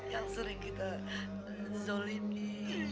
yang sering kita zolimi